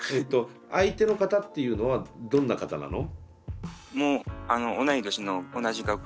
相手の方っていうのはどんな方なの？も同い年の同じ学校。